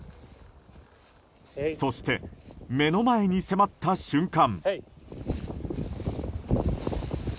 そして、目の前に迫った瞬間。